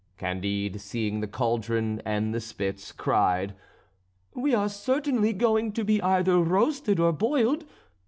Candide seeing the cauldron and the spits, cried: "We are certainly going to be either roasted or boiled.